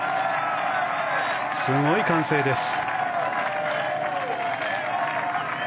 すごい歓声です。